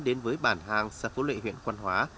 đến với bản hàng xã phố lệ huyện quan hóa